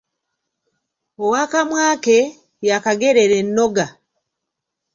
Ow’akamwa ke, y’akagerera ennoga.